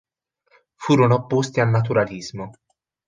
Furono opposti al naturalismo.